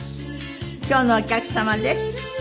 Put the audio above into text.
今日のお客様です。